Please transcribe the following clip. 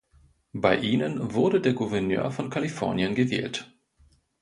Bei ihnen wurde der Gouverneur von Kalifornien gewählt.